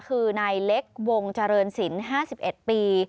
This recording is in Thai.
คือนายเล็กวงเจริญศิลป์๕๑ปี